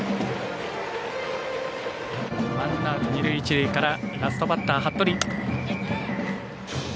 ワンアウト、二塁、一塁からラストバッター、服部。